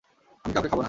আমি কাউকে খাব না।